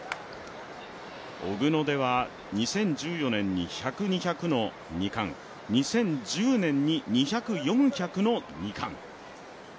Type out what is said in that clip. オグノデは２０１４年に１００、２００の２冠、２０１０年に２００、４００の２冠。